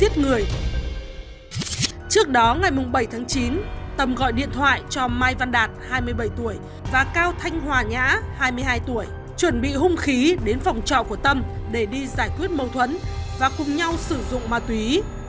trước đó ngày bảy tháng chín tâm gọi điện thoại cho mai văn đạt hai mươi bảy tuổi và cao thanh hòa nhã hai mươi hai tuổi chuẩn bị hung khí đến phòng trọ của tâm để đi giải quyết mâu thuẫn và cùng nhau sử dụng ma túy